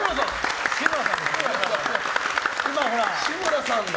志村さんだ！